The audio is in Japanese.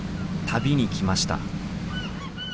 旅に来ました。